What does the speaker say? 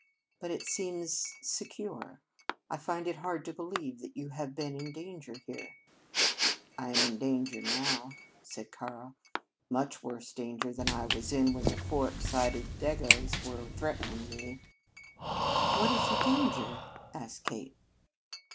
But it seems secure. I find it hard to believe that you have been in danger here." "I am in danger now," said Karl. "Much worse danger than I was in when the poor excited dagoes were threatening me." "What is your danger?" asked Kate.